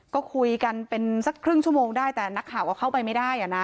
ก็คุยกันเป็นสักครึ่งชั่วโมงได้แต่นักข่าวก็เข้าไปไม่ได้อ่ะนะ